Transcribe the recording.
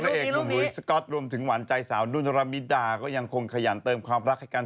เอกหนุ่มหลุยสก๊อตรวมถึงหวานใจสาวนุ่นรมิดาก็ยังคงขยันเติมความรักให้กัน